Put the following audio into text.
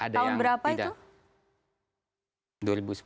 tahun berapa itu